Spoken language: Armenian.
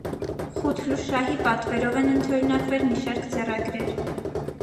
Խութլուշահի պատվերով են ընդօրինակվել մի շարք ձեռագրեր։